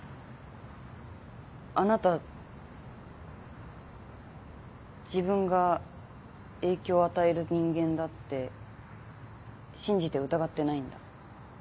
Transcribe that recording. あなた自分が影響を与える人間だって信じて疑ってないんだ。